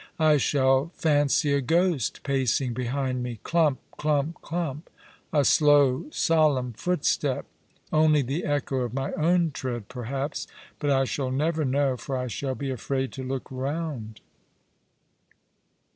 I shall fancy a ghost pacing behind me, clump, clump, clump — a slow, solemn footstep — only the echo of my own tread perhaps; but I shall never know, for I shall be afraid to look round."